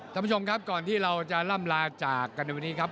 ท่านผู้ชมครับก่อนที่เราจะล่ำลาจากกันในวันนี้ครับ